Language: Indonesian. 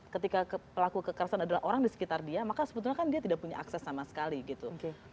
ketika pelaku kekerasan adalah orang di sekitar dia maka sebetulnya kan dia tidak punya akses sama sekali gitu